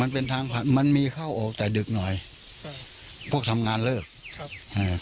มันเป็นทางผ่านมันมีเข้าออกแต่ดึกหน่อยค่ะพวกทำงานเลิกครับอ่า